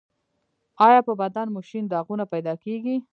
ایا په بدن مو شین داغونه پیدا کیږي؟